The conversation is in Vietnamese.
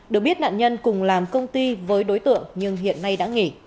được biết nạn nhân cùng làm công ty với đối tượng nhưng hiện nay đã nghỉ